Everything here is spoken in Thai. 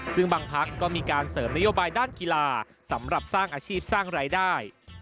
ซึ่งบางพักก็มีการเสริมนโยบายด้านกีฬาสำหรับสร้างอาชีพสร้างรายได้